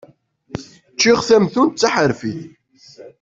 Ččiɣ tamtunt d taḥerfit.